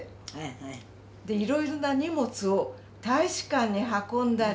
「いろいろな荷物を大使館に運んだり」。